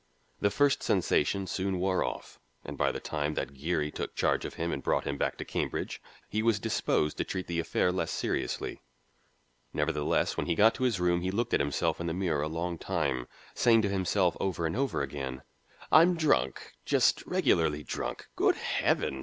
The first sensation soon wore off, and by the time that Geary took charge of him and brought him back to Cambridge he was disposed to treat the affair less seriously. Nevertheless when he got to his room he looked at himself in the mirror a long time, saying to himself over and over again, "I'm drunk just regularly drunk. Good Heavens!